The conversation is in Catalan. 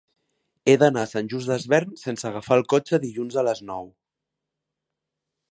He d'anar a Sant Just Desvern sense agafar el cotxe dilluns a les nou.